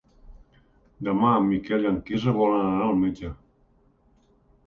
Demà en Miquel i en Quirze volen anar al metge.